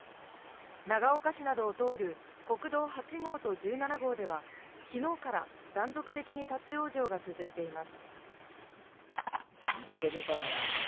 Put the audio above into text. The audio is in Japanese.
長岡市などを通る国道８号と１７号では、昨日から断続的に立ち往生が続いています。